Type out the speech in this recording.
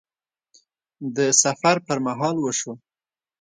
د سفر پر مهال وشو